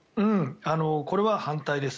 これは反対です。